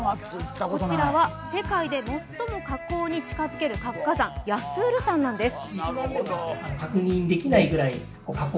こちらは世界で最も火口に近づける活火山、ヤスール山なんです。